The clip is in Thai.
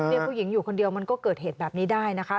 ผู้หญิงอยู่คนเดียวมันก็เกิดเหตุแบบนี้ได้นะคะ